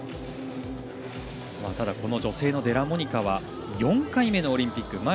ただ、女性のデラモニカは４回目のオリンピック。